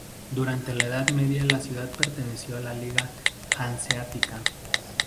Durante la Edad Media la ciudad perteneció a la Liga Hanseática.